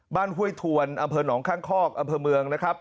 ห้วยทวนอำเภอหนองข้างคอกอำเภอเมืองนะครับ